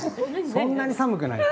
そんなに寒くない。